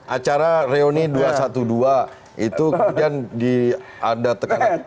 acara reuni dua ratus dua belas itu kemudian ada tekanan